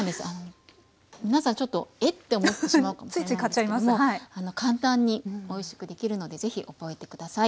皆さんちょっと「えっ⁉」って思ってしまうかもしれないんですけど簡単においしくできるのでぜひ覚えて下さい。